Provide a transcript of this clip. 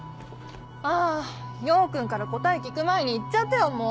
あヨー君から答え聞く前に言っちゃったよもう！